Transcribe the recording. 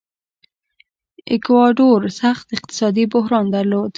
ایکواډور سخت اقتصادي بحران درلود.